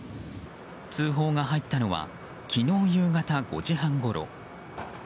通報が入ったのは昨日夕方５時半ごろ。